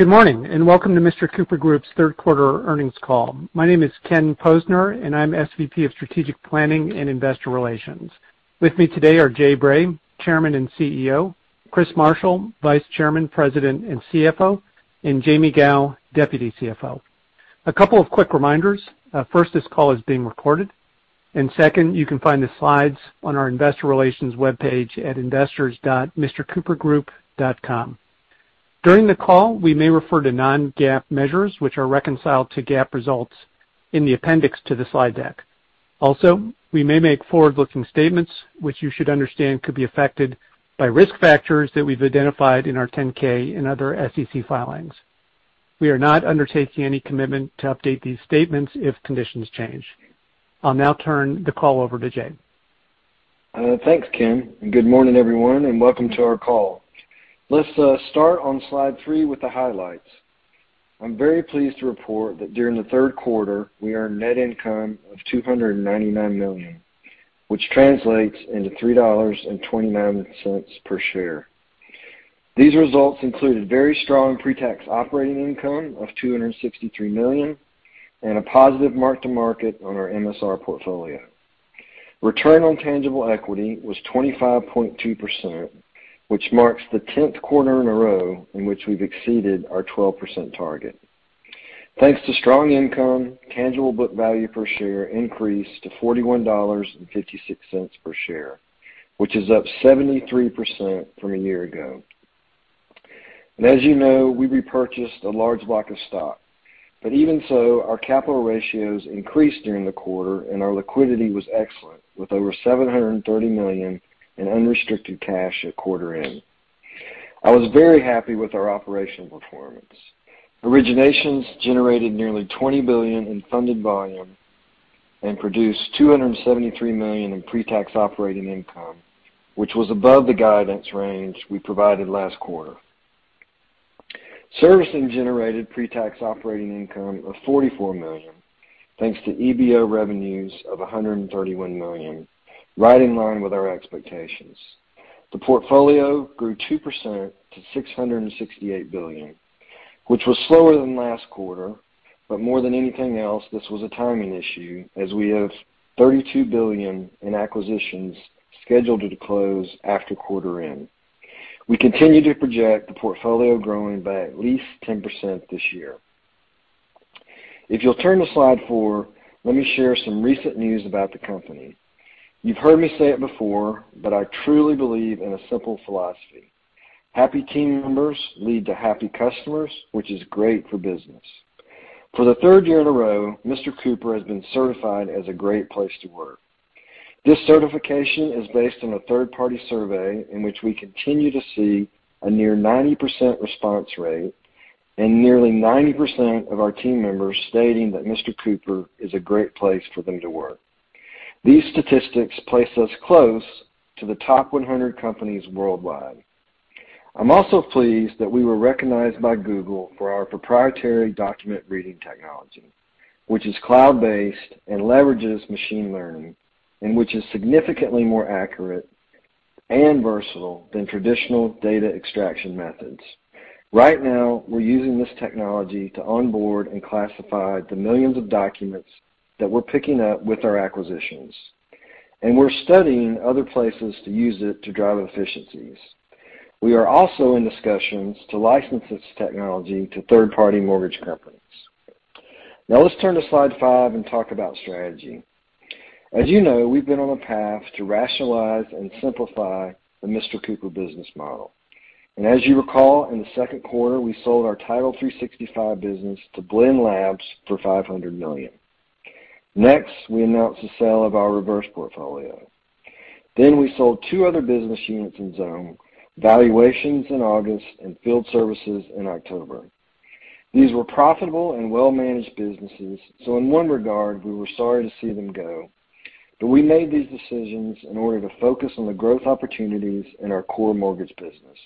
Good morning, and welcome to Mr. Cooper Group's third quarter earnings call. My name is Ken Posner, and I'm SVP of Strategic Planning and Investor Relations. With me today are Jay Bray, Chairman and CEO, Chris Marshall, Vice Chairman, President, and CFO, and Jaime Gow, Deputy CFO. A couple of quick reminders. First, this call is being recorded. Second, you can find the slides on our investor relations webpage at investors.mrcoopergroup.com. During the call, we may refer to non-GAAP measures, which are reconciled to GAAP results in the appendix to the slide deck. Also, we may make forward-looking statements, which you should understand could be affected by risk factors that we've identified in our 10-K and other SEC filings. We are not undertaking any commitment to update these statements if conditions change. I'll now turn the call over to Jay. Thanks, Ken, and good morning, everyone, and welcome to our call. Let's start on slide 3 with the highlights. I'm very pleased to report that during the third quarter, we earned net income of $299 million, which translates into $3.29 per share. These results included very strong pre-tax operating income of $263 million and a positive mark-to-market on our MSR portfolio. Return on tangible equity was 25.2%, which marks the 10th quarter in a row in which we've exceeded our 12% target. Thanks to strong income, tangible book value per share increased to $41.56 per share, which is up 73% from a year ago. As you know, we repurchased a large block of stock, but even so, our capital ratios increased during the quarter and our liquidity was excellent, with over $730 million in unrestricted cash at quarter end. I was very happy with our operational performance. Originations generated nearly $20 billion in funded volume and produced $273 million in pre-tax operating income, which was above the guidance range we provided last quarter. Servicing generated pre-tax operating income of $44 million, thanks to EBO revenues of $131 million, right in line with our expectations. The portfolio grew 2% to $668 billion, which was slower than last quarter, but more than anything else, this was a timing issue, as we have $32 billion in acquisitions scheduled to close after quarter end. We continue to project the portfolio growing by at least 10% this year. If you'll turn to slide four, let me share some recent news about the company. You've heard me say it before, but I truly believe in a simple philosophy: Happy team members lead to happy customers, which is great for business. For the third year in a row, Mr. Cooper has been certified as a Great Place to Work. This certification is based on a third-party survey in which we continue to see a near 90% response rate and nearly 90% of our team members stating that Mr. Cooper is a great place for them to work. These statistics place us close to the top 100 companies worldwide. I'm also pleased that we were recognized by Google for our proprietary document reading technology, which is cloud-based and leverages machine learning and which is significantly more accurate and versatile than traditional data extraction methods. Right now, we're using this technology to onboard and classify the millions of documents that we're picking up with our acquisitions, and we're studying other places to use it to drive efficiencies. We are also in discussions to license this technology to third-party mortgage companies. Now let's turn to slide five and talk about strategy. As you know, we've been on a path to rationalize and simplify the Mr. Cooper business model. As you recall, in the second quarter, we sold our Title365 business to Blend Labs for $500 million. Next, we announced the sale of our reverse portfolio. We sold 2 other business units in Xome, Valuations in August and Field Services in October. These were profitable and well-managed businesses, so in one regard, we were sorry to see them go. But we made these decisions in order to focus on the growth opportunities in our core mortgage business,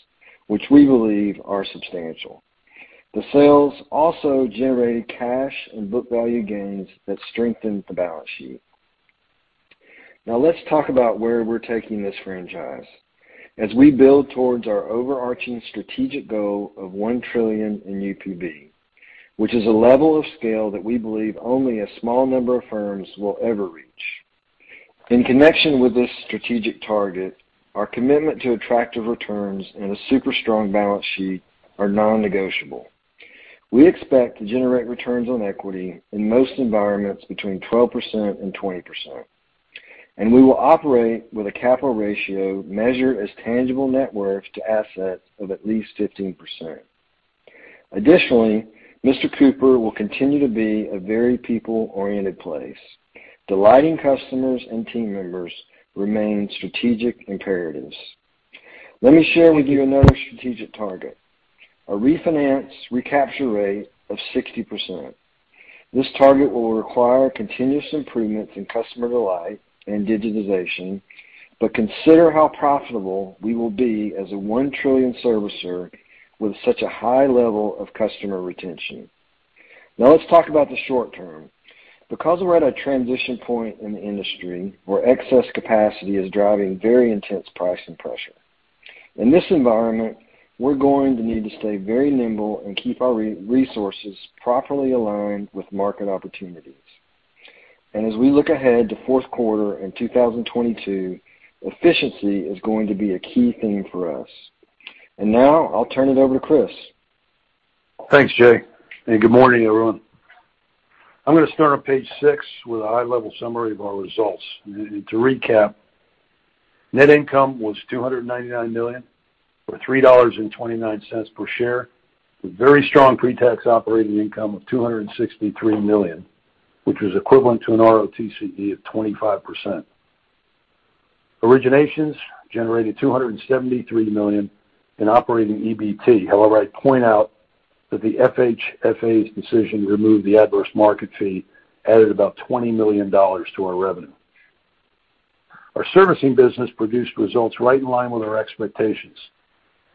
which we believe are substantial. The sales also generated cash and book value gains that strengthened the balance sheet. Now let's talk about where we're taking this franchise as we build towards our overarching strategic goal of 1 trillion in UPB, which is a level of scale that we believe only a small number of firms will ever reach. In connection with this strategic target, our commitment to attractive returns and a super strong balance sheet are non-negotiable. We expect to generate returns on equity in most environments between 12% and 20%, and we will operate with a capital ratio measured as tangible net worth to assets of at least 15%. Additionally, Mr. Cooper will continue to be a very people-oriented place. Delighting customers and team members remains strategic imperatives. Let me share with you another strategic target, a refinance recapture rate of 60%. This target will require continuous improvements in customer delight and digitization, but consider how profitable we will be as a 1 trillion servicer with such a high level of customer retention. Now let's talk about the short term. Because we're at a transition point in the industry where excess capacity is driving very intense pricing pressure. In this environment, we're going to need to stay very nimble and keep our resources properly aligned with market opportunities. As we look ahead to fourth quarter in 2022, efficiency is going to be a key theme for us. Now I'll turn it over to Chris. Thanks, Jay, and good morning, everyone. I'm gonna start on page six with a high-level summary of our results. To recap, net income was $299 million, or $3.29 per share, with very strong pre-tax operating income of $263 million, which was equivalent to an ROTCE of 25%. Originations generated $273 million in operating EBT. However, I'd point out that the FHFA's decision to remove the adverse market fee added about $20 million to our revenue. Our servicing business produced results right in line with our expectations,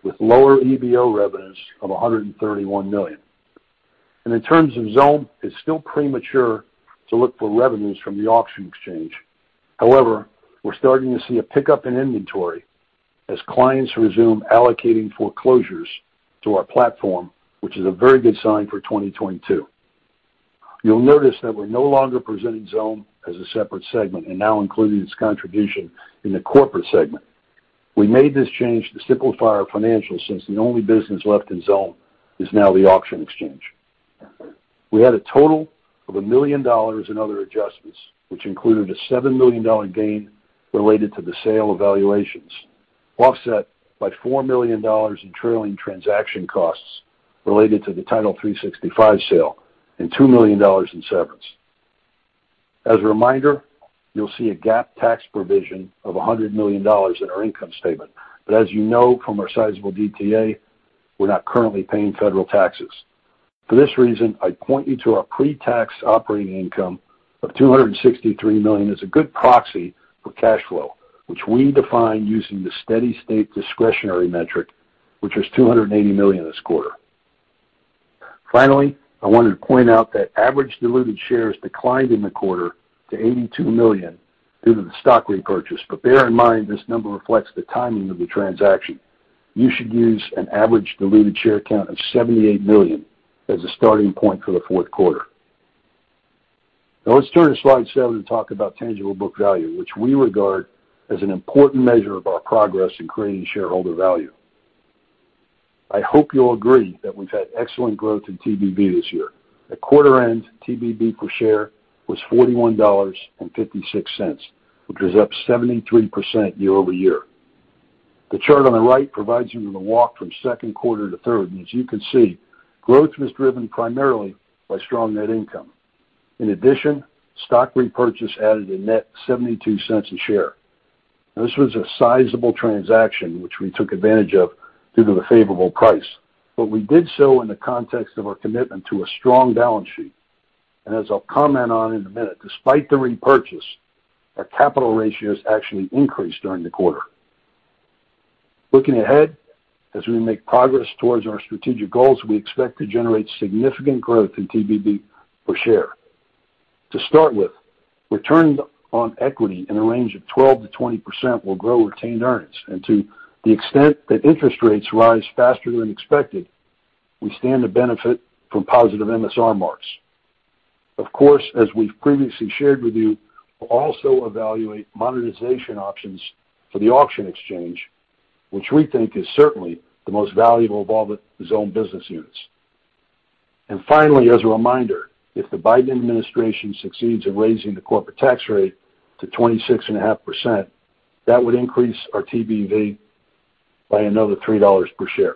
with lower EBO revenues of $131 million. In terms of Xome, it's still premature to look for revenues from the auction exchange. However, we're starting to see a pickup in inventory as clients resume allocating foreclosures to our platform, which is a very good sign for 2022. You'll notice that we're no longer presenting Xome as a separate segment and now including its contribution in the corporate segment. We made this change to simplify our financials since the only business left in Xome is now the auction exchange. We had a total of $1 million in other adjustments, which included a $7 million gain related to the sale of valuations, offset by $4 million in trailing transaction costs related to the Title365 sale and $2 million in severance. As a reminder, you'll see a GAAP tax provision of $100 million in our income statement, but as you know from our sizable DTA, we're not currently paying federal taxes. For this reason, I'd point you to our pre-tax operating income of $263 million as a good proxy for cash flow, which we define using the steady-state discretionary metric, which was $280 million this quarter. Finally, I wanted to point out that average diluted shares declined in the quarter to 82 million due to the stock repurchase. Bear in mind this number reflects the timing of the transaction. You should use an average diluted share count of 78 million as a starting point for the fourth quarter. Now let's turn to slide seven to talk about tangible book value, which we regard as an important measure of our progress in creating shareholder value. I hope you'll agree that we've had excellent growth in TBV this year. At quarter end, TBV per share was $41.56, which was up 73% year-over-year. The chart on the right provides you with a walk from second quarter to third, and as you can see, growth was driven primarily by strong net income. In addition, stock repurchase added a net $0.72 a share. This was a sizable transaction, which we took advantage of due to the favorable price. We did so in the context of our commitment to a strong balance sheet. As I'll comment on in a minute, despite the repurchase, our capital ratios actually increased during the quarter. Looking ahead, as we make progress towards our strategic goals, we expect to generate significant growth in TBV per share. To start with, returns on equity in a range of 12%-20% will grow retained earnings. To the extent that interest rates rise faster than expected, we stand to benefit from positive MSR marks. Of course, as we've previously shared with you, we'll also evaluate monetization options for the auction exchange, which we think is certainly the most valuable of all the Xome business units. Finally, as a reminder, if the Biden administration succeeds in raising the corporate tax rate to 26.5%, that would increase our TBV by another $3 per share.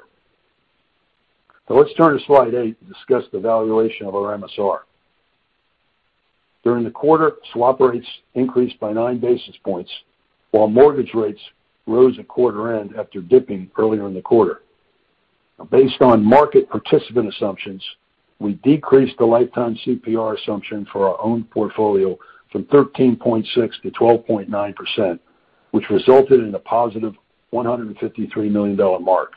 Now let's turn to slide eight to discuss the valuation of our MSR. During the quarter, swap rates increased by nine basis points, while mortgage rates rose at quarter end after dipping earlier in the quarter. Based on market participant assumptions, we decreased the lifetime CPR assumption for our own portfolio from 13.6% to 12.9%, which resulted in a positive $153 million mark.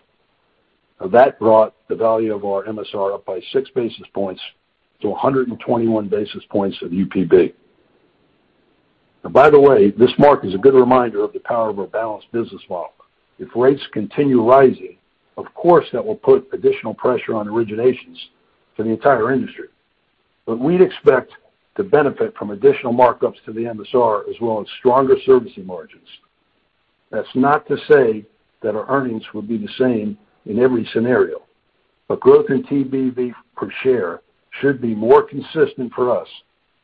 Now, that brought the value of our MSR up by six basis points to 121 basis points of UPB. By the way, this mark is a good reminder of the power of a balanced business model. If rates continue rising, of course, that will put additional pressure on originations for the entire industry. We'd expect to benefit from additional markups to the MSR as well as stronger servicing margins. That's not to say that our earnings would be the same in every scenario, but growth in TBV per share should be more consistent for us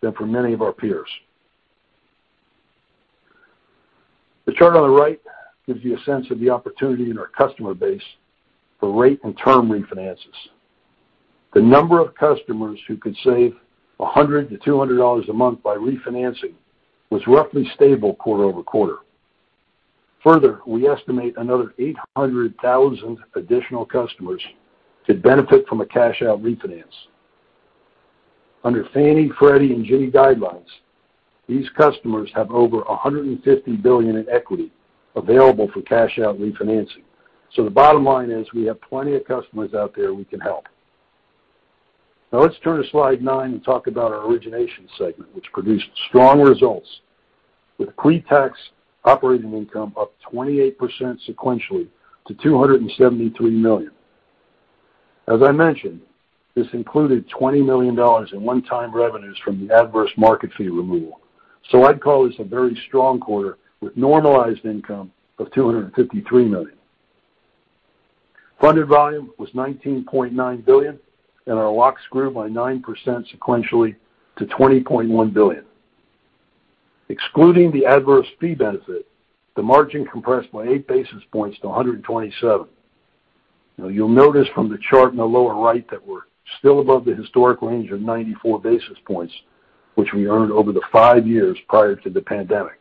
than for many of our peers. The chart on the right gives you a sense of the opportunity in our customer base for rate and term refinances. The number of customers who could save $100-$200 a month by refinancing was roughly stable quarter-over-quarter. Further, we estimate another 800,000 additional customers could benefit from a cash-out refinance. Under Fannie, Freddie, and Ginnie guidelines. These customers have over $150 billion in equity available for cash out refinancing. The bottom line is we have plenty of customers out there we can help. Now let's turn to slide nine and talk about our origination segment, which produced strong results with pre-tax operating income up 28% sequentially to $273 million. As I mentioned, this included $20 million in one-time revenues from the adverse market fee removal. I'd call this a very strong quarter with normalized income of $253 million. Funded volume was $19.9 billion, and our locks grew by 9% sequentially to $20.1 billion. Excluding the adverse fee benefit, the margin compressed by eight basis points to 127. Now you'll notice from the chart in the lower right that we're still above the historic range of 94 basis points, which we earned over the five years prior to the pandemic.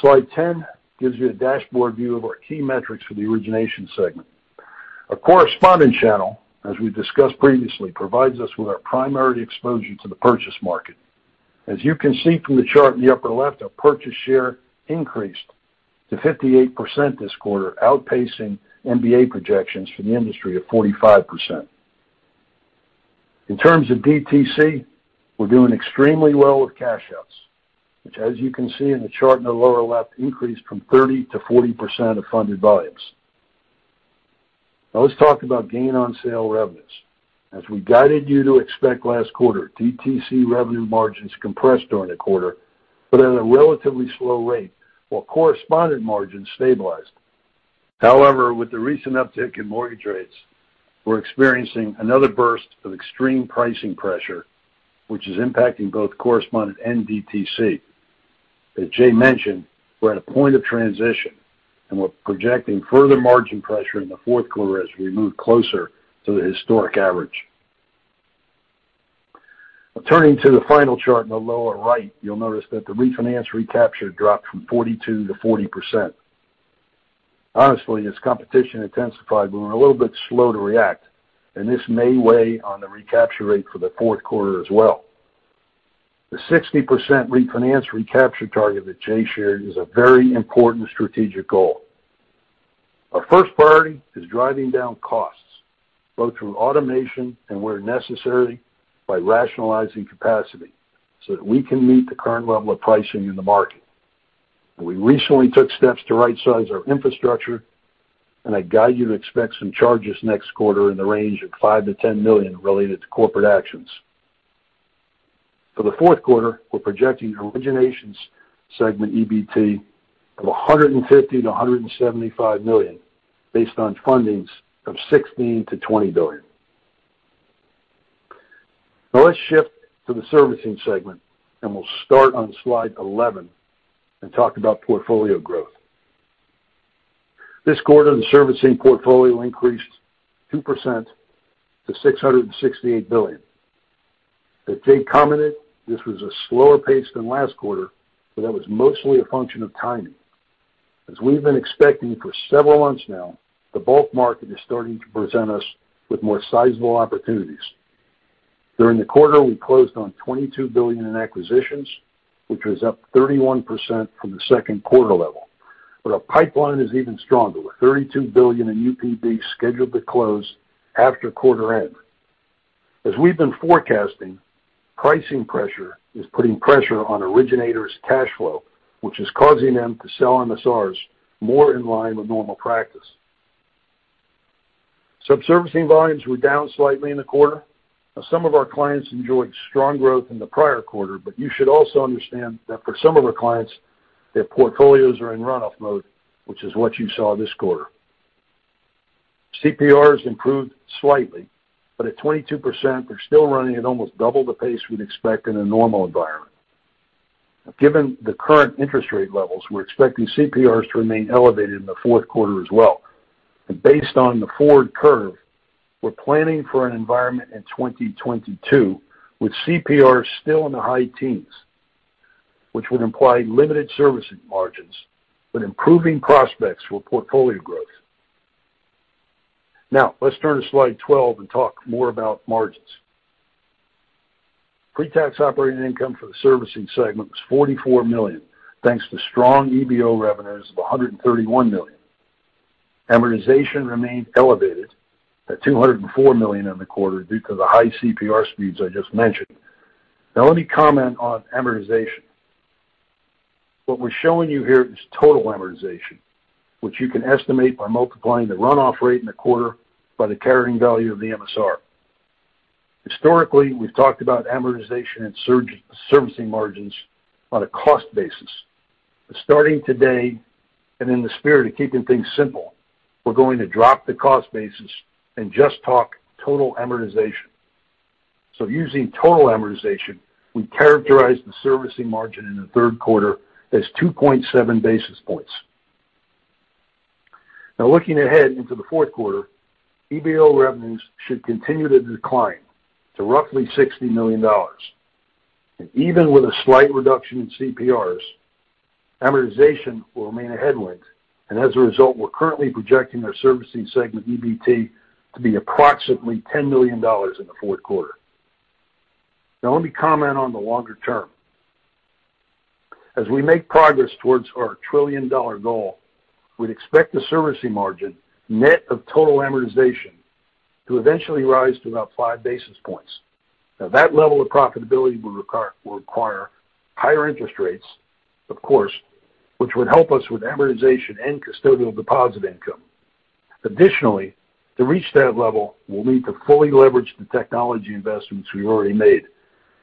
Slide 10 gives you a dashboard view of our key metrics for the origination segment. Our correspondent channel, as we discussed previously, provides us with our primary exposure to the purchase market. As you can see from the chart in the upper left, our purchase share increased to 58% this quarter, outpacing MBA projections for the industry of 45%. In terms of DTC, we're doing extremely well with cash outs, which as you can see in the chart in the lower left, increased from 30%-40% of funded volumes. Now let's talk about gain on sale revenues. As we guided you to expect last quarter, DTC revenue margins compressed during the quarter, but at a relatively slow rate while correspondent margins stabilized. However, with the recent uptick in mortgage rates, we're experiencing another burst of extreme pricing pressure, which is impacting both correspondent and DTC. As Jay mentioned, we're at a point of transition, and we're projecting further margin pressure in the fourth quarter as we move closer to the historic average. Turning to the final chart in the lower right, you'll notice that the refinance recapture dropped from 42%-40%. Honestly, as competition intensified, we were a little bit slow to react, and this may weigh on the recapture rate for the fourth quarter as well. The 60% refinance recapture target that Jay shared is a very important strategic goal. Our first priority is driving down costs, both through automation and where necessary, by rationalizing capacity, so that we can meet the current level of pricing in the market. We recently took steps to rightsize our infrastructure, and I'd guide you to expect some charges next quarter in the range of $5 million-$10 million related to corporate actions. For the fourth quarter, we're projecting originations segment EBT of $150 million-$175 million based on fundings of $16 billion-$20 billion. Now let's shift to the servicing segment, and we'll start on slide 11 and talk about portfolio growth. This quarter, the servicing portfolio increased 2% to $668 billion. As Jay commented, this was a slower pace than last quarter, but that was mostly a function of timing. As we've been expecting for several months now, the bulk market is starting to present us with more sizable opportunities. During the quarter, we closed on $22 billion in acquisitions, which was up 31% from the second quarter level. Our pipeline is even stronger, with $32 billion in UPB scheduled to close after quarter end. As we've been forecasting, pricing pressure is putting pressure on originators' cash flow, which is causing them to sell MSRs more in line with normal practice. Sub-servicing volumes were down slightly in the quarter. Some of our clients enjoyed strong growth in the prior quarter, but you should also understand that for some of our clients, their portfolios are in run-off mode, which is what you saw this quarter. CPRs improved slightly, but at 22%, they're still running at almost double the pace we'd expect in a normal environment. Given the current interest rate levels, we're expecting CPRs to remain elevated in the fourth quarter as well. Based on the forward curve, we're planning for an environment in 2022 with CPRs still in the high teens, which would imply limited servicing margins, but improving prospects for portfolio growth. Now let's turn to slide 12 and talk more about margins. Pre-tax operating income for the Servicing segment was $44 million, thanks to strong EBO revenues of $131 million. Amortization remained elevated at $204 million in the quarter due to the high CPR speeds I just mentioned. Now let me comment on amortization. What we're showing you here is total amortization, which you can estimate by multiplying the runoff rate in the quarter by the carrying value of the MSR. Historically, we've talked about amortization and servicing margins on a cost basis. Starting today, in the spirit of keeping things simple, we're going to drop the cost basis and just talk total amortization. Using total amortization, we characterize the servicing margin in the third quarter as 2.7 basis points. Now looking ahead into the fourth quarter, EBO revenues should continue to decline to roughly $60 million. Even with a slight reduction in CPRs. Amortization will remain a headwind, and as a result, we're currently projecting our servicing segment EBT to be approximately $10 million in the fourth quarter. Now let me comment on the longer term. As we make progress towards our trillion-dollar goal, we'd expect the servicing margin net of total amortization to eventually rise to about five basis points. Now, that level of profitability will require higher interest rates, of course, which would help us with amortization and custodial deposit income. Additionally, to reach that level, we'll need to fully leverage the technology investments we've already made.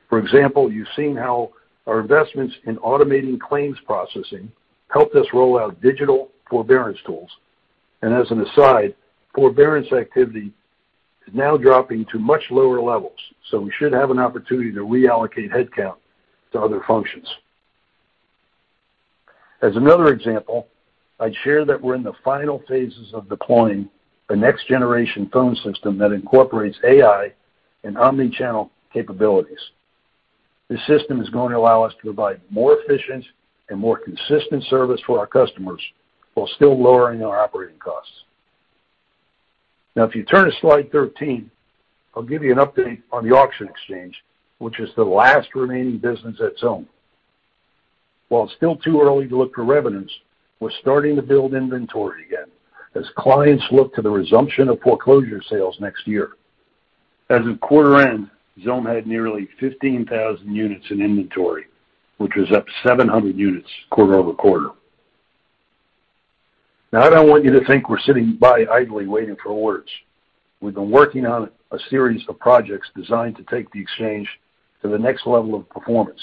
For example, you've seen how our investments in automating claims processing helped us roll out digital forbearance tools. As an aside, forbearance activity is now dropping to much lower levels, so we should have an opportunity to reallocate headcount to other functions. As another example, I'd share that we're in the final phases of deploying the next generation phone system that incorporates AI and omni-channel capabilities. This system is going to allow us to provide more efficient and more consistent service for our customers while still lowering our operating costs. Now, if you turn to slide 13, I'll give you an update on the auction exchange, which is the last remaining business at Xome. While it's still too early to look for revenues, we're starting to build inventory again as clients look to the resumption of foreclosure sales next year. As of quarter end, Xome had nearly 15,000 units in inventory, which was up 700 units quarter-over-quarter. Now, I don't want you to think we're sitting by idly waiting for orders. We've been working on a series of projects designed to take the exchange to the next level of performance.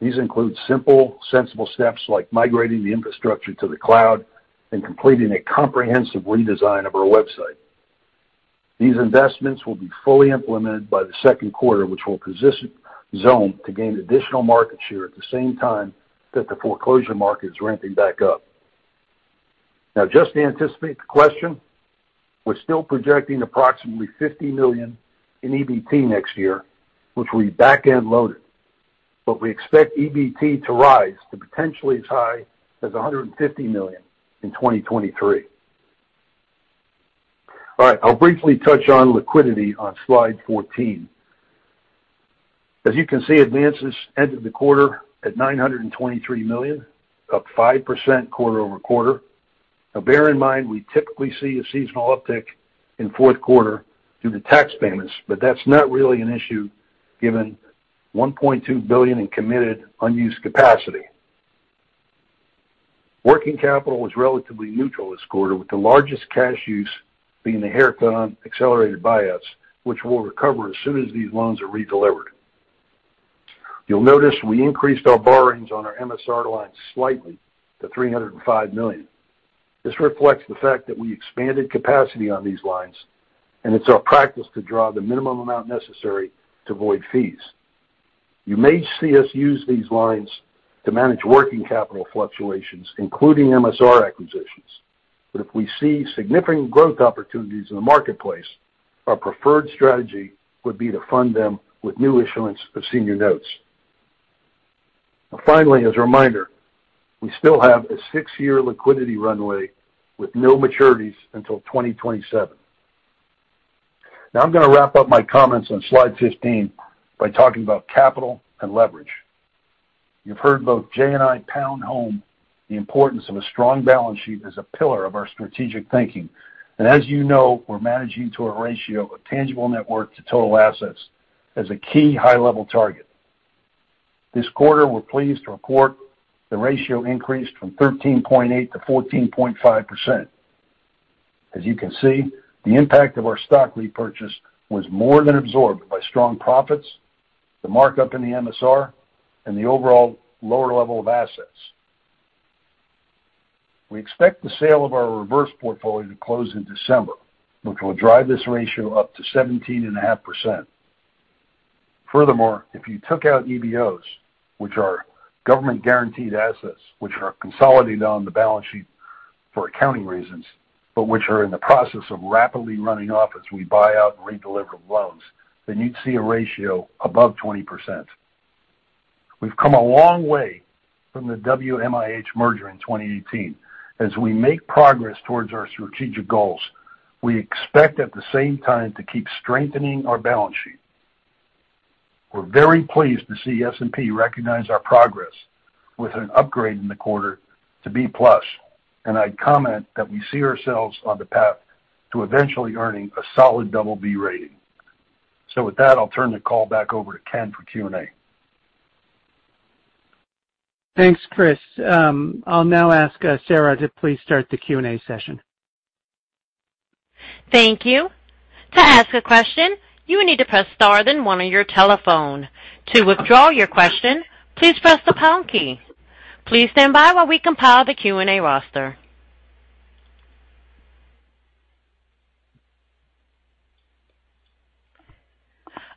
These include simple, sensible steps like migrating the infrastructure to the cloud and completing a comprehensive redesign of our website. These investments will be fully implemented by the second quarter, which will position Xome to gain additional market share at the same time that the foreclosure market is ramping back up. Now, just to anticipate the question, we're still projecting approximately $50 million in EBT next year, which will be back-end loaded, but we expect EBT to rise to potentially as high as $150 million in 2023. All right. I'll briefly touch on liquidity on slide 14. As you can see, advances ended the quarter at $923 million, up 5% quarter-over-quarter. Now bear in mind, we typically see a seasonal uptick in fourth quarter due to tax payments, but that's not really an issue given $1.2 billion in committed unused capacity. Working capital was relatively neutral this quarter, with the largest cash use being the haircut on accelerated buyouts, which we'll recover as soon as these loans are redelivered. You'll notice we increased our borrowings on our MSR line slightly to $305 million. This reflects the fact that we expanded capacity on these lines, and it's our practice to draw the minimum amount necessary to avoid fees. You may see us use these lines to manage working capital fluctuations, including MSR acquisitions. If we see significant growth opportunities in the marketplace, our preferred strategy would be to fund them with new issuance of senior notes. Now finally, as a reminder, we still have a 6-year liquidity runway with no maturities until 2027. Now, I'm going to wrap up my comments on slide 15 by talking about capital and leverage. You've heard both Jay and I pound home the importance of a strong balance sheet as a pillar of our strategic thinking. As you know, we're managing to a ratio of tangible net worth to total assets as a key high-level target. This quarter, we're pleased to report the ratio increased from 13.8% to 14.5%. As you can see, the impact of our stock repurchase was more than absorbed by strong profits, the markup in the MSR, and the overall lower level of assets. We expect the sale of our reverse portfolio to close in December, which will drive this ratio up to 17.5%. Furthermore, if you took out EBOs, which are government-guaranteed assets, which are consolidated on the balance sheet for accounting reasons, but which are in the process of rapidly running off as we buy out and redeliver loans, then you'd see a ratio above 20%. We've come a long way from the WMIH merger in 2018. As we make progress towards our strategic goals, we expect at the same time to keep strengthening our balance sheet. We're very pleased to see S&P recognize our progress with an upgrade in the quarter to B+, and I'd comment that we see ourselves on the path to eventually earning a solid BB rating. With that, I'll turn the call back over to Ken for Q&A. Thanks, Chris. I'll now ask, Sarah to please start the Q&A session. Thank you. To ask a question, you will need to press star then one on your telephone. To withdraw your question, please press the pound key. Please stand by while we compile the Q&A roster.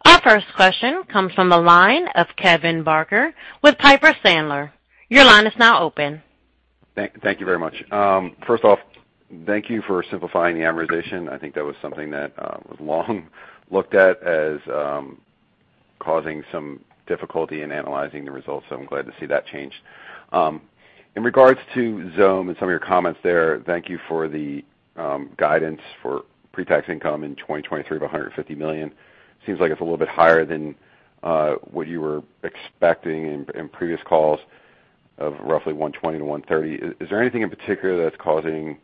Our first question comes from the line of Kevin Barker with Piper Sandler. Your line is now open. Thank you very much. First off, thank you for simplifying the amortization. I think that was something that was long looked at as causing some difficulty in analyzing the results, so I'm glad to see that changed. In regard to Xome and some of your comments there, thank you for the guidance for pre-tax income in 2023 of $150 million. Seems like it's a little bit higher than what you were expecting in previous calls of roughly $120 million-$130 million. Is there anything in particular that's causing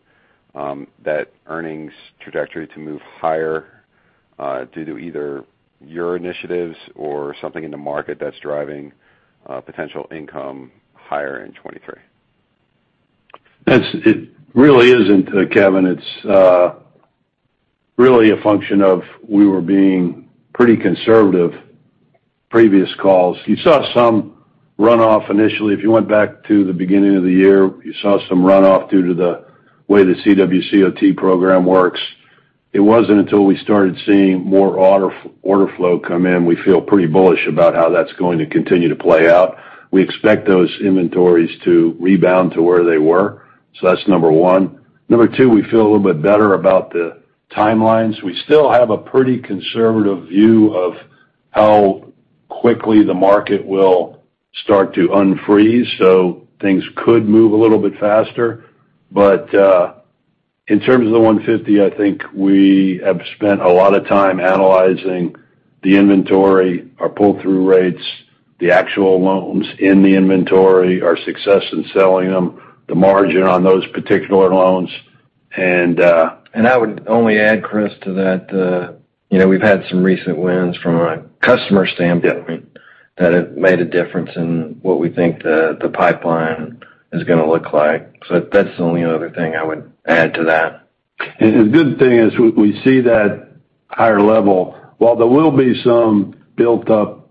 that earnings trajectory to move higher due to either your initiatives or something in the market that's driving potential income higher in 2023? That's it really isn't, Kevin. It's really a function of we were being pretty conservative previous calls. You saw some runoff initially. If you went back to the beginning of the year, you saw some runoff due to the way the CWCOT program works. It wasn't until we started seeing more order flow come in, we feel pretty bullish about how that's going to continue to play out. We expect those inventories to rebound to where they were. That's number one. Number two, we feel a little bit better about the timelines. We still have a pretty conservative view of how quickly the market will start to unfreeze, so things could move a little bit faster. in terms of the 150, I think we have spent a lot of time analyzing the inventory, our pull-through rates, the actual loans in the inventory, our success in selling them, the margin on those particular loans. I would only add, Chris, to that, you know, we've had some recent wins from a customer standpoint that have made a difference in what we think the pipeline is gonna look like. That's the only other thing I would add to that. The good thing is we see that higher level. While there will be some built-up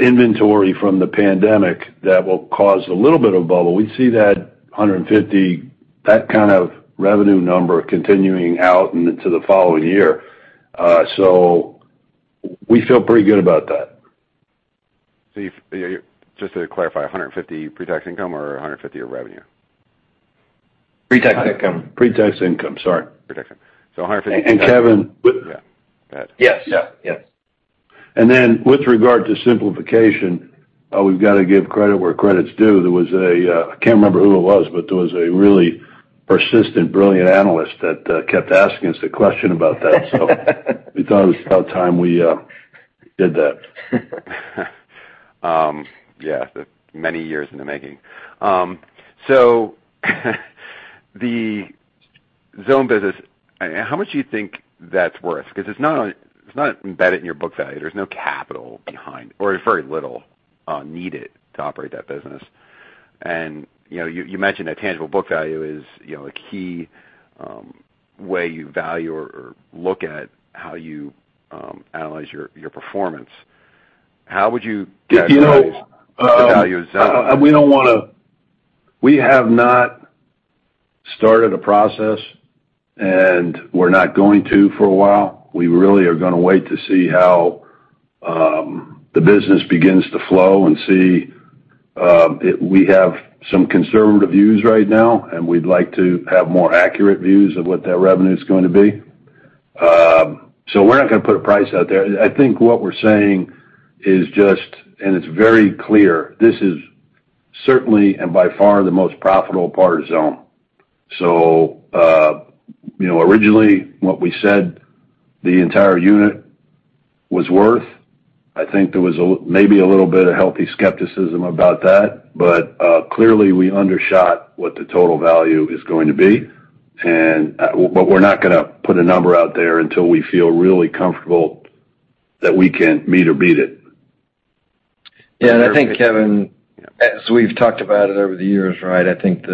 inventory from the pandemic that will cause a little bit of trouble, we see that 150, that kind of revenue number continuing out into the following year. We feel pretty good about that. Just to clarify, $150 pre-tax income or $150 of revenue? Pre-tax income. Pre-tax income, sorry. Pre-tax income. 150- Kevin Yeah. Go ahead. Yes. Yeah. Yes. With regard to simplification, we've got to give credit where credit's due. I can't remember who it was, but there was a really persistent, brilliant analyst that kept asking us a question about that. We thought it was about time we did that. Yeah, many years in the making. So, the Xome business, how much do you think that's worth? Because it's not embedded in your book value. There's no capital behind or very little needed to operate that business. You know, you mentioned that tangible book value is, you know, a key way you value or look at how you analyze your performance. How would you guesstimate the value of Xome? You know, we have not started a process, and we're not going to for a while. We really are gonna wait to see how the business begins to flow and see we have some conservative views right now, and we'd like to have more accurate views of what that revenue is going to be. We're not gonna put a price out there. I think what we're saying is just, and it's very clear, this is certainly and by far the most profitable part of Xome. You know, originally what we said the entire unit was worth, I think there was maybe a little bit of healthy skepticism about that. Clearly, we undershot what the total value is going to be. We're not gonna put a number out there until we feel really comfortable that we can meet or beat it. Yeah. I think, Kevin, as we've talked about it over the years, right? I think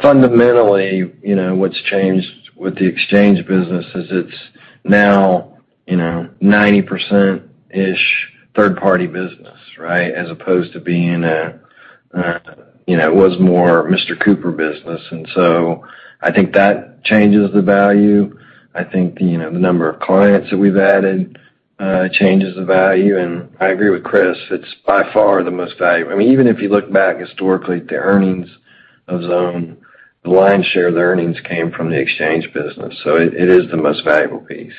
fundamentally, you know, what's changed with the exchange business is it's now, you know, 90%-ish third-party business, right? As opposed to being a, you know, it was more Mr. Cooper business. I think that changes the value. I think, you know, the number of clients that we've added, changes the value. I agree with Chris, it's by far the most valuable. I mean, even if you look back historically at the earnings of Xome, the lion's share of the earnings came from the exchange business. It is the most valuable piece.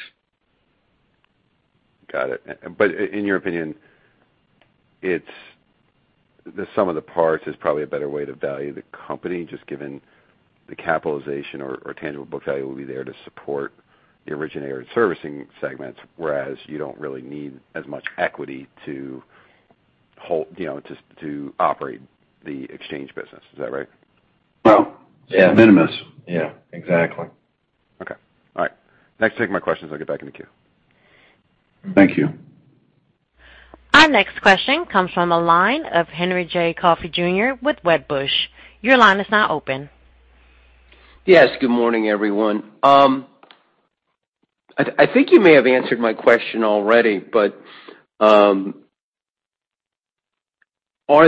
Got it. In your opinion, it's the sum of the parts is probably a better way to value the company, just given the capitalization or tangible book value will be there to support the origination servicing segments, whereas you don't really need as much equity to hold, you know, to operate the exchange business. Is that right? Well- Yeah. It's de minimis. Yeah, exactly. Okay. All right. Next, take my questions. I'll get back in the queue. Thank you. Our next question comes from the line of Henry J. Coffey, Jr. with Wedbush. Your line is now open. Yes. Good morning, everyone. I think you may have answered my question already, but are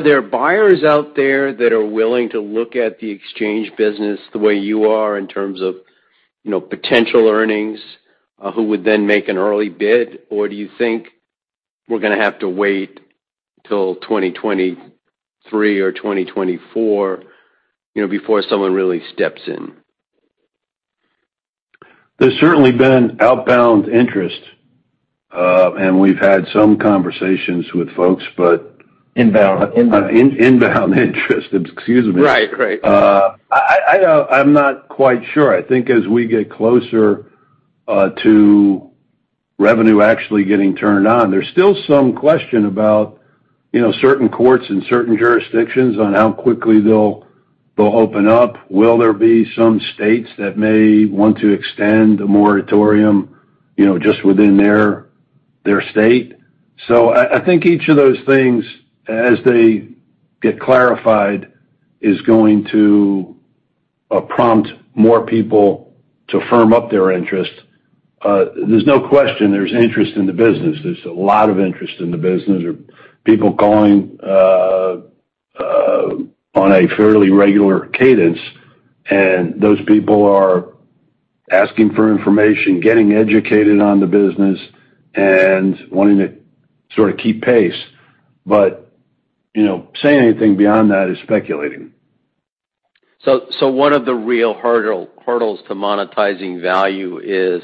there buyers out there that are willing to look at the exchange business the way you are in terms of, you know, potential earnings, who would then make an early bid? Or do you think we're gonna have to wait till 2023 or 2024, you know, before someone really steps in. There's certainly been outbound interest, and we've had some conversations with folks, but- Inbound. Inbound Inbound interest. Excuse me. Right. Right. I'm not quite sure. I think as we get closer to revenue actually getting turned on, there's still some question about, you know, certain courts and certain jurisdictions on how quickly they'll open up. Will there be some states that may want to extend the moratorium, you know, just within their state? I think each of those things, as they get clarified, is going to prompt more people to firm up their interest. There's no question there's interest in the business. There's a lot of interest in the business. There are people going on a fairly regular cadence, and those people are asking for information, getting educated on the business, and wanting to sort of keep pace. You know, saying anything beyond that is speculating. One of the real hurdles to monetizing value is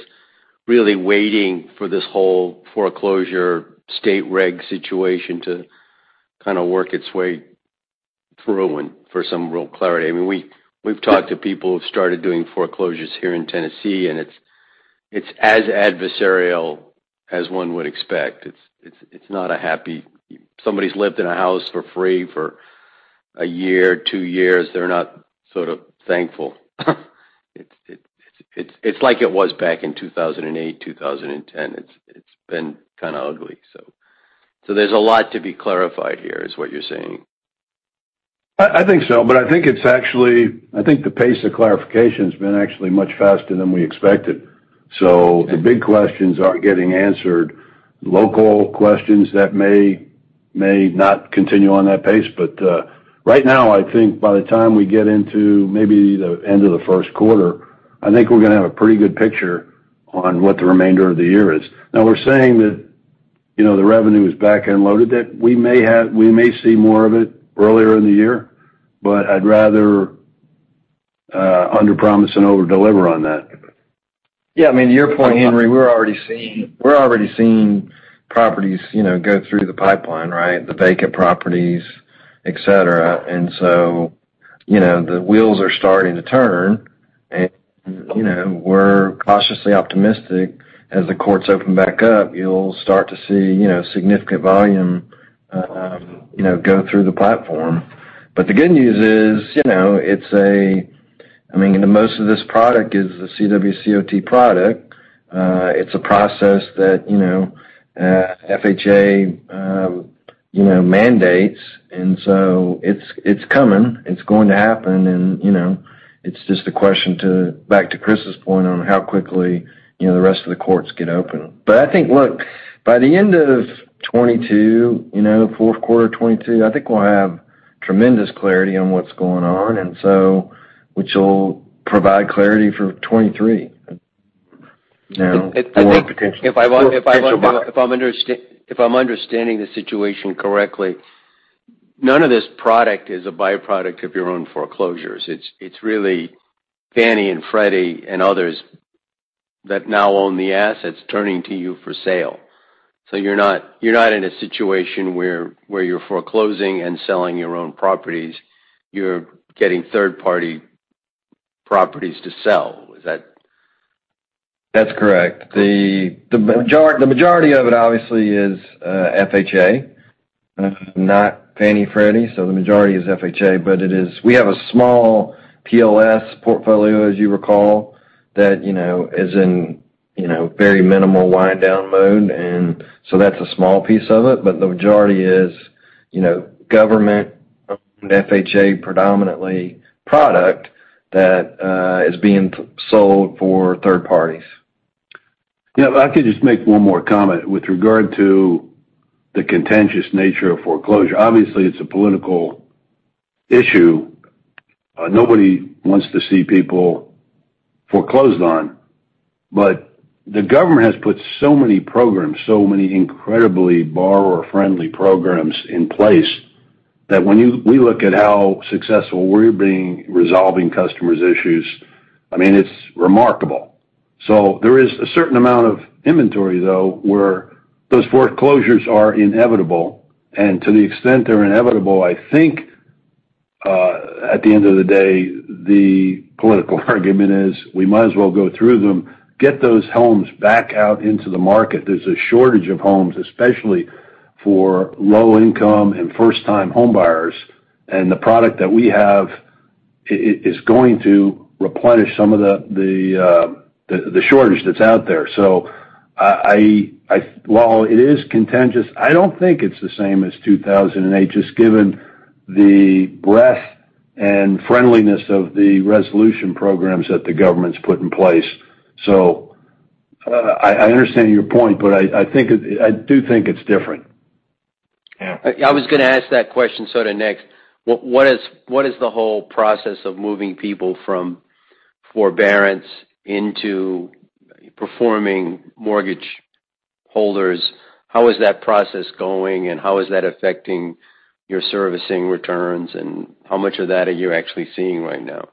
really waiting for this whole foreclosure state reg situation to kinda work its way through and for some real clarity. I mean, we've talked to people who've started doing foreclosures here in Tennessee, and it's not a happy. Somebody's lived in a house for free for a year, two years, they're not sort of thankful. It's like it was back in 2008, 2010. It's been kinda ugly. There's a lot to be clarified here, is what you're saying. I think so, but I think it's actually I think the pace of clarification has been actually much faster than we expected. The big questions aren't getting answered. Local questions that may not continue on that pace. Right now, I think by the time we get into maybe the end of the first quarter, I think we're gonna have a pretty good picture on what the remainder of the year is. Now we're saying that, you know, the revenue is back end loaded, that we may see more of it earlier in the year, but I'd rather underpromise and overdeliver on that. Yeah, I mean, to your point, Henry, we're already seeing properties, you know, go through the pipeline, right? The vacant properties, et cetera. We're cautiously optimistic. As the courts open back up, you'll start to see, you know, significant volume go through the platform. The good news is, you know, it's a I mean, most of this product is the CWCOT product. It's a process that, you know, FHA, you know, mandates, and so it's coming. It's going to happen and, you know, it's just a question of, back to Chris's point on how quickly, you know, the rest of the courts get open. I think, look, by the end of 2022, you know, fourth quarter 2022, I think we'll have tremendous clarity on what's going on and so, which will provide clarity for 2023. You know, more potential- If I'm understanding the situation correctly, none of this product is a byproduct of your own foreclosures. It's really Fannie and Freddie and others that now own the assets turning to you for sale. You're not in a situation where you're foreclosing and selling your own properties. You're getting third-party properties to sell. Is that? That's correct. The majority of it obviously is FHA, not Fannie, Freddie, so the majority is FHA. It is. We have a small PLS portfolio, as you recall, that, you know, is in, you know, very minimal wind down mode, and so that's a small piece of it. The majority is, you know, government FHA predominantly product that is being sold for third parties. Yeah. If I could just make one more comment with regard to the contentious nature of foreclosure. Obviously, it's a political issue. Nobody wants to see people foreclosed on, but the government has put so many programs, so many incredibly borrower-friendly programs in place, that we look at how successful we're being resolving customers' issues, I mean, it's remarkable. There is a certain amount of inventory, though, where those foreclosures are inevitable. To the extent they're inevitable, I think, at the end of the day, the political argument is, we might as well go through them, get those homes back out into the market. There's a shortage of homes, especially for low income and first time home buyers. The product that we have is going to replenish some of the shortage that's out there. While it is contentious, I don't think it's the same as 2008, just given the breadth and friendliness of the resolution programs that the government's put in place. I understand your point, but I do think it's different. I was gonna ask that question sorta next. What is the whole process of moving people from forbearance into performing mortgage holders? How is that process going, and how is that affecting your servicing returns, and how much of that are you actually seeing right now?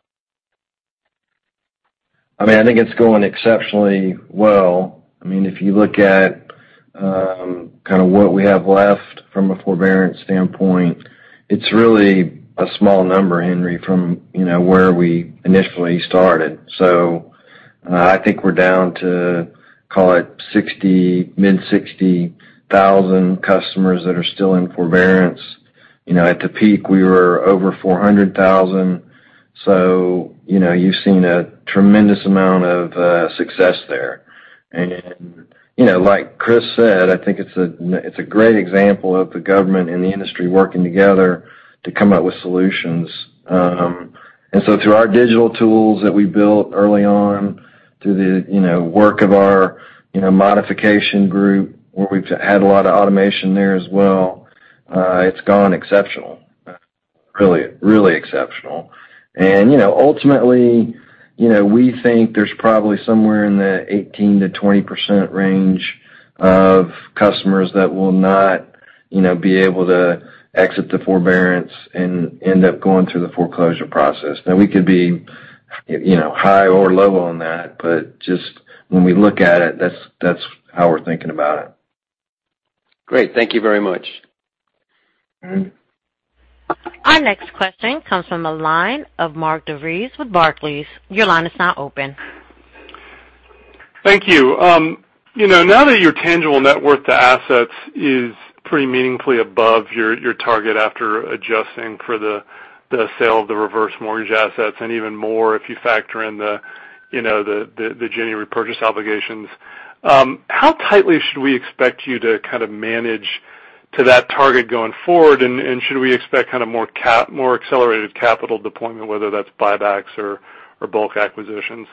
I mean, I think it's going exceptionally well. I mean, if you look at kinda what we have left from a forbearance standpoint, it's really a small number, Henry, from you know where we initially started. I think we're down to call it 60, mid-60,000 customers that are still in forbearance. You know at the peak, we were over 400,000. You know you've seen a tremendous amount of success there. You know like Chris said, I think it's a great example of the government and the industry working together to come up with solutions. Through our digital tools that we built early on, through the you know work of our you know modification group, where we've had a lot of automation there as well, it's gone exceptional. Really, really exceptional. You know, ultimately, you know, we think there's probably somewhere in the 18%-20% range of customers that will not, you know, be able to exit the forbearance and end up going through the foreclosure process. Now we could be, you know, high or low on that, but just when we look at it, that's how we're thinking about it. Great. Thank you very much. Our next question comes from the line of Mark DeVries with Barclays. Your line is now open. Thank you. You know, now that your tangible net worth to assets is pretty meaningfully above your target after adjusting for the sale of the reverse mortgage assets, and even more if you factor in, you know, the Ginnie Mae repurchase obligations, how tightly should we expect you to kind of manage to that target going forward? And should we expect kind of more accelerated capital deployment, whether that's buybacks or bulk acquisitions?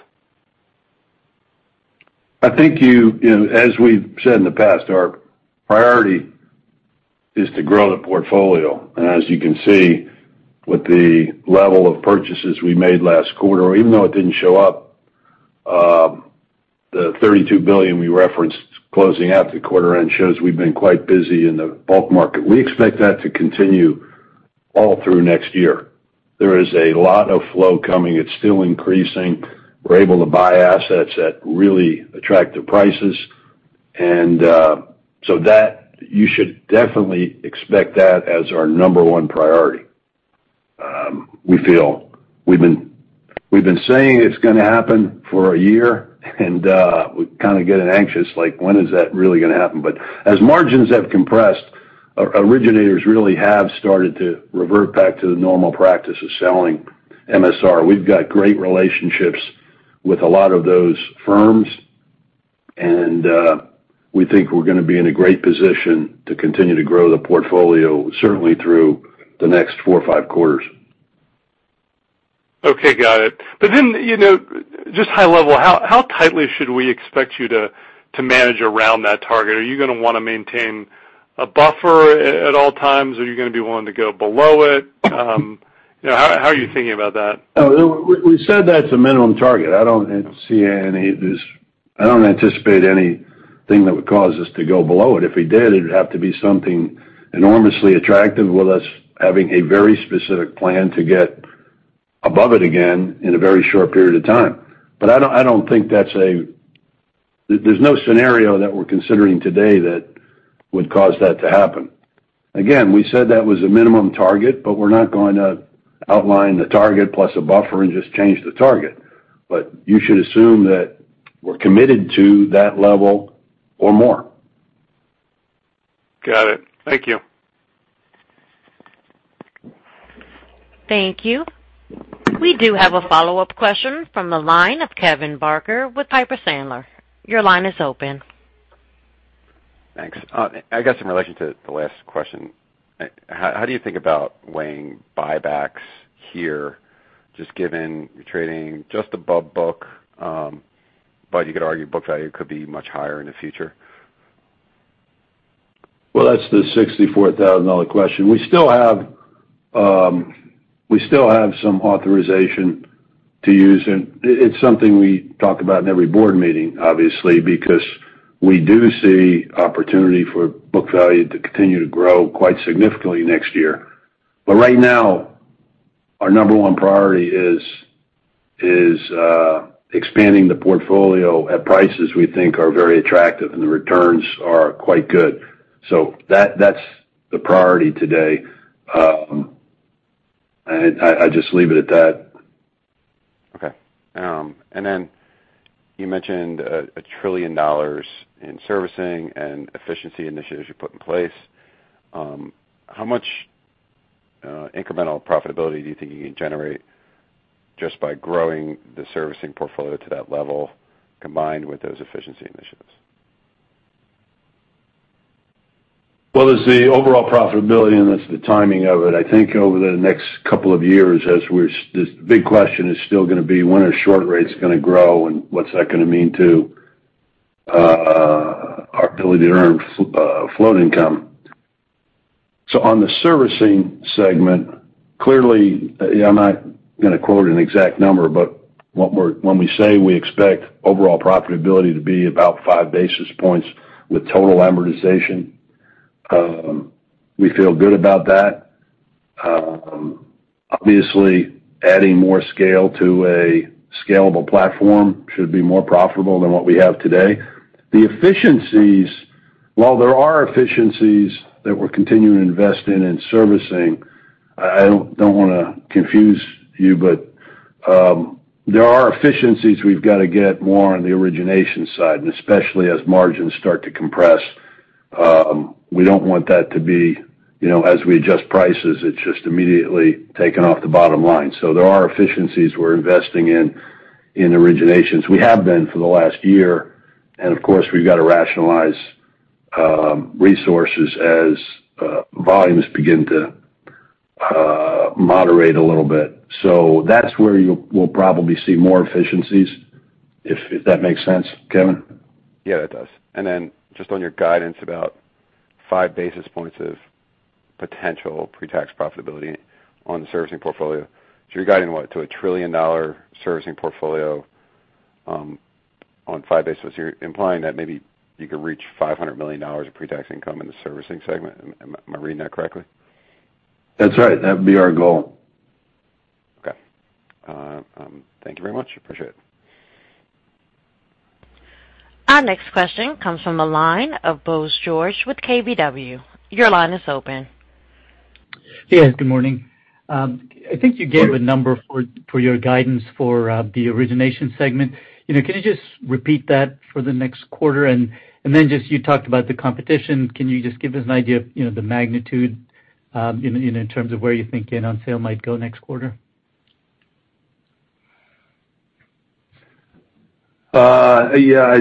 I think you know, as we've said in the past, our priority is to grow the portfolio. As you can see with the level of purchases we made last quarter, even though it didn't show up, the $32 billion we referenced closing out the quarter end shows we've been quite busy in the bulk market. We expect that to continue all through next year. There is a lot of flow coming. It's still increasing. We're able to buy assets at really attractive prices. So that, you should definitely expect that as our number one priority. We feel we've been saying it's gonna happen for a year, and we're kind of getting anxious, like when is that really gonna happen? But as margins have compressed, originators really have started to revert back to the normal practice of selling MSR. We've got great relationships with a lot of those firms, and we think we're gonna be in a great position to continue to grow the portfolio certainly through the next four or five quarters. Okay, got it. You know, just high level, how tightly should we expect you to manage around that target? Are you gonna wanna maintain a buffer at all times, or are you gonna be willing to go below it? You know, how are you thinking about that? We said that's a minimum target. I don't anticipate anything that would cause us to go below it. If we did, it would have to be something enormously attractive with us having a very specific plan to get above it again in a very short period of time. I don't think there's a scenario that we're considering today that would cause that to happen. Again, we said that was a minimum target, but we're not going to outline the target plus a buffer and just change the target. You should assume that we're committed to that level or more. Got it. Thank you. Thank you. We do have a follow-up question from the line of Kevin Barker with Piper Sandler. Your line is open. Thanks. I guess in relation to the last question, how do you think about weighing buybacks here, just given you're trading just above book, but you could argue book value could be much higher in the future? Well, that's the $64,000 question. We still have some authorization to use, and it's something we talk about in every board meeting, obviously, because we do see opportunity for book value to continue to grow quite significantly next year. But right now, our number one priority is expanding the portfolio at prices we think are very attractive and the returns are quite good. That's the priority today. I just leave it at that. Okay. You mentioned $1 trillion in servicing and efficiency initiatives you put in place. How much incremental profitability do you think you can generate just by growing the servicing portfolio to that level combined with those efficiency initiatives? Well, there's the overall profitability, and that's the timing of it. I think over the next couple of years this big question is still gonna be when are short rates gonna grow and what's that gonna mean to our ability to earn float income. On the servicing segment, clearly, I'm not gonna quote an exact number, but when we say we expect overall profitability to be about five basis points with total amortization, we feel good about that. Obviously adding more scale to a scalable platform should be more profitable than what we have today. The efficiencies, while there are efficiencies that we're continuing to invest in servicing, I don't wanna confuse you, but there are efficiencies we've gotta get more on the origination side, and especially as margins start to compress, we don't want that to be, you know, as we adjust prices, it's just immediately taken off the bottom line. There are efficiencies we're investing in originations. We have been for the last year, and of course, we've got to rationalize resources as volumes begin to moderate a little bit. That's where we'll probably see more efficiencies, if that makes sense, Kevin. Yeah, it does. Then just on your guidance about five basis points of potential pre-tax profitability on the servicing portfolio. You're guiding what? To a $1 trillion servicing portfolio, on five basis. You're implying that maybe you could reach $500 million of pre-tax income in the servicing segment. Am I reading that correctly? That's right. That would be our goal. Okay. Thank you very much. Appreciate it. Our next question comes from the line of Bose George with KBW. Your line is open. Yeah, good morning. I think you gave a number for your guidance for the origination segment. You know, can you just repeat that for the next quarter? Then just you talked about the competition. Can you just give us an idea of, you know, the magnitude, in terms of where you think gain on sale might go next quarter? Yeah,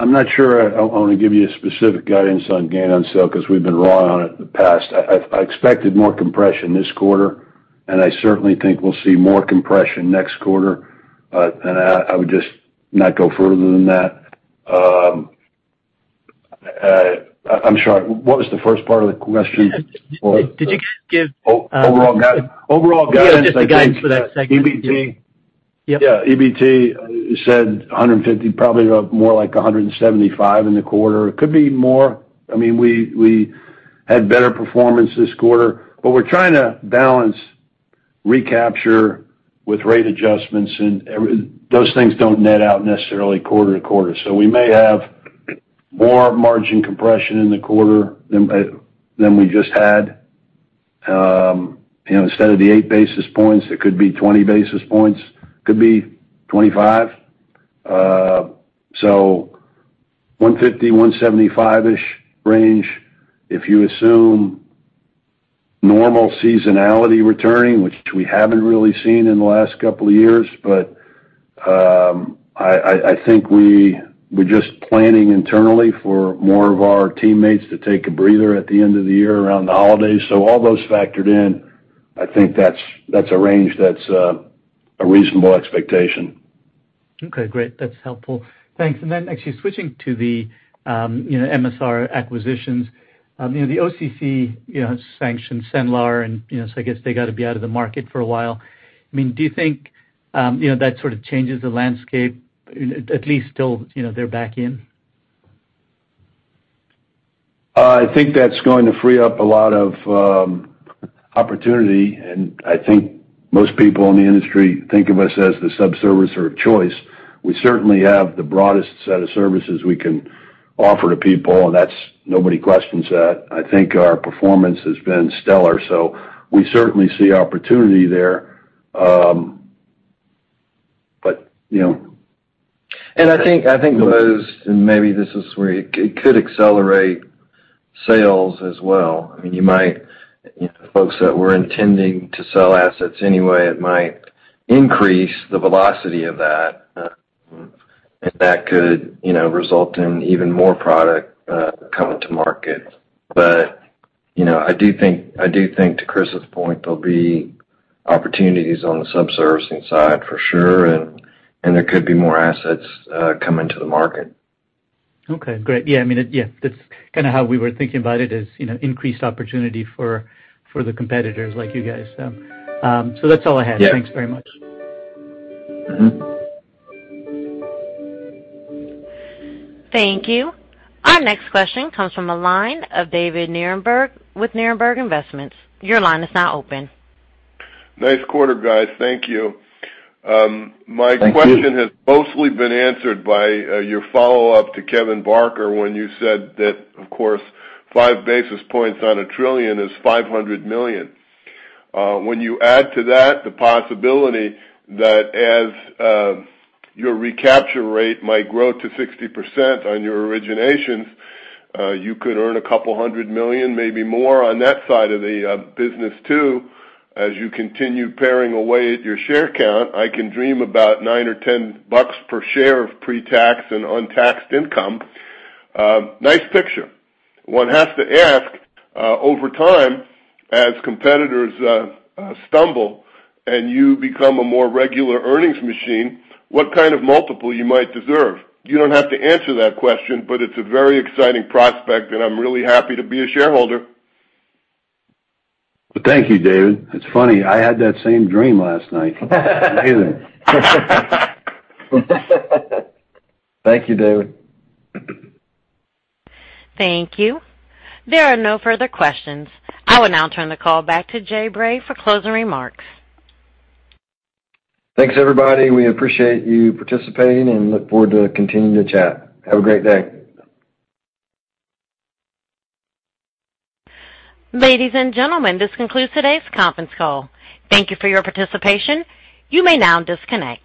I'm not sure I wanna give you specific guidance on gain on sale because we've been wrong on it in the past. I expected more compression this quarter, and I certainly think we'll see more compression next quarter. I would just not go further than that. I'm sorry, what was the first part of the question? Did you give? Overall guidance, I think. Yeah, just the guidance for that segment. EBT. Yep. Yeah, EBT said 150, probably more like 175 in the quarter. It could be more. I mean, we had better performance this quarter, but we're trying to balance recapture with rate adjustments, and those things don't net out necessarily quarter to quarter. We may have more margin compression in the quarter than we just had. You know, instead of the eight basis points, it could be 20 basis points, could be 25. 150-175-ish range, if you assume normal seasonality returning, which we haven't really seen in the last couple of years. I think we're just planning internally for more of our teammates to take a breather at the end of the year around the holidays. All those factored in, I think that's a range that's a reasonable expectation. Okay, great. That's helpful. Thanks. Actually switching to the, you know, MSR acquisitions. You know, the OCC, you know, sanctioned Cenlar, and, you know, so I guess they gotta be out of the market for a while. I mean, do you think, you know, that sort of changes the landscape, at least till, you know, they're back in? I think that's going to free up a lot of opportunity, and I think most people in the industry think of us as the sub-servicer of choice. We certainly have the broadest set of services we can offer to people, and that's. Nobody questions that. I think our performance has been stellar, so we certainly see opportunity there, but you know. I think, Bose, and maybe this is where it could accelerate sales as well. I mean, you might. You know, folks that were intending to sell assets anyway, it might increase the velocity of that, and that could, you know, result in even more product coming to market. You know, I do think to Chris's point, there'll be opportunities on the sub-servicing side for sure, and there could be more assets coming to the market. Okay, great. Yeah, I mean. Yeah, that's kinda how we were thinking about it is, you know, increased opportunity for the competitors like you guys. That's all I had. Yeah. Thanks very much. Mm-hmm. Thank you. Our next question comes from the line of David Nierenberg with Nierenberg Investments. Your line is now open. Nice quarter, guys. Thank you. My question. Thank you. has mostly been answered by your follow-up to Kevin Barker when you said that, of course, five basis points on a trillion is $500 million. When you add to that the possibility that as your recapture rate might grow to 60% on your originations, you could earn $200 million, maybe more on that side of the business too. As you continue paring away at your share count, I can dream about $9 or $10 per share of pre-tax and untaxed income. Nice picture. One has to ask, over time, as competitors stumble and you become a more regular earnings machine, what kind of multiple you might deserve? You don't have to answer that question, but it's a very exciting prospect, and I'm really happy to be a shareholder. Thank you, David. It's funny, I had that same dream last night. Me either. Thank you, David. Thank you. There are no further questions. I will now turn the call back to Jay Bray for closing remarks. Thanks, everybody. We appreciate you participating and look forward to continuing the chat. Have a great day. Ladies and gentlemen, this concludes today's conference call. Thank you for your participation. You may now disconnect.